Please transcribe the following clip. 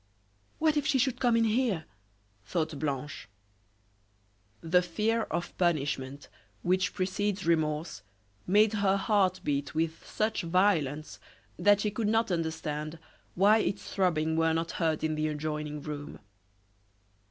"What if she should come in here!" thought Blanche. The fear of punishment which precedes remorse, made her heart beat with such violence that she could not understand why its throbbing were not heard in the adjoining room.